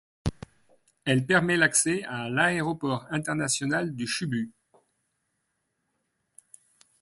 Elle permet l'accès à l'aéroport international du Chūbu.